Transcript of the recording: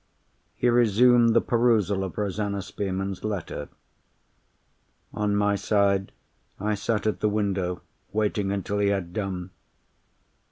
He resumed the perusal of Rosanna Spearman's letter. On my side, I sat at the window, waiting until he had done.